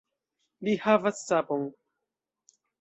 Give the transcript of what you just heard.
Li havas sapon!